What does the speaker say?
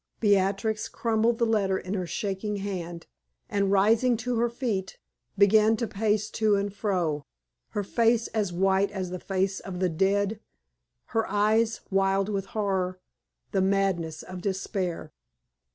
Beatrix crumpled the letter in her shaking hand, and rising to her feet, began to pace to and fro, her face as white as the face of the dead, her eyes wild with horror the madness of despair.